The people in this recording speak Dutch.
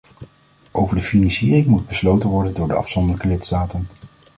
Over de financiering moet besloten worden door de afzonderlijke lidstaten.